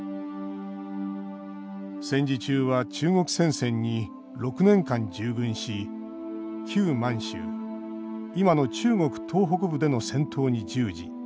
戦時中は中国戦線に６年間従軍し旧満州、今の中国東北部での戦闘に従事。